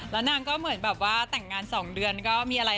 แล้วนางก็เหมือนแบบว่าแต่งงาน๒เดือนก็มีอะไร